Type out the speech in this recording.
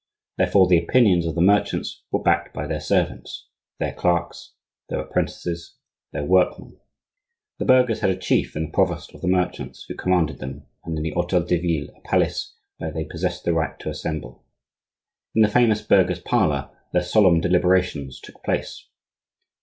Therefore the opinions of the merchants were backed by their servants, their clerks, their apprentices, their workmen. The burghers had a chief in the "provost of the merchants" who commanded them, and in the Hotel de Ville, a palace where they possessed the right to assemble. In the famous "burghers' parlor" their solemn deliberations took place.